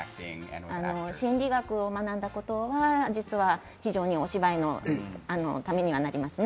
心理学を学んだことが実は非常にお芝居のためにはなりますね。